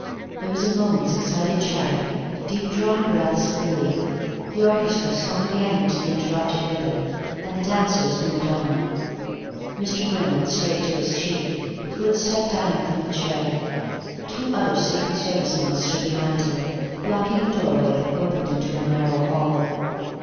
There was a moment's excited chatter, deep drawn breaths of relief, the orchestra swung again into the interrupted rhythm, and the dancers moved on. Mr. Grimm went straight to his chief, who had stepped down from the chair. Two other Secret Service men stood behind him, blocking the doorway that opened into a narrow hall.